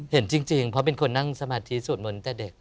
เห็นจริงเพราะเป็นคนนั่งสมาธิสวดมนต์แต่เด็ก